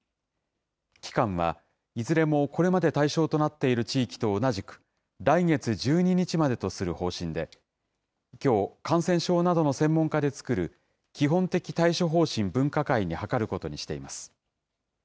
期間はいずれも、これまで対象となっている地域と同じく、来月１２日までとする方針で、きょう、感染症などの専門家で作る、基本的対処方針分科会に諮ることにしています。